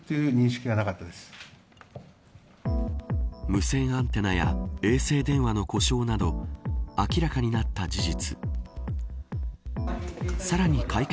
無線アンテナや衛星電話の故障など明らかになった事実。